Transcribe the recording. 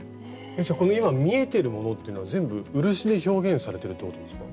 じゃあこの今見えているものっていうのは全部漆で表現されてるってことですか？